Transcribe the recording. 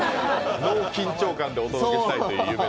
ノー緊張感でお届けしたいという。